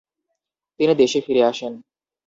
তিনি দেশে ফিরে আসেন।